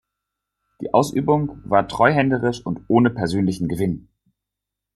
Die Ausübung war treuhänderisch und ohne persönlichen Gewinn.